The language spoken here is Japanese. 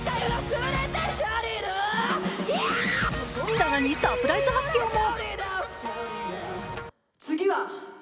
更にサプライズ発表も。